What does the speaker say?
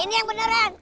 ini yang beneran